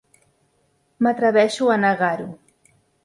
M'atreveixo a negar-ho.